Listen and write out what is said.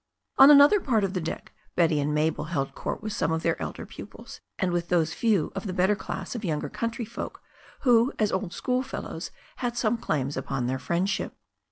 On another part of the deck Betty and Mabel held court with some of their elder pupils, and with those few of the better class younger country folk, who as old school fellows had some claims upon their friendship.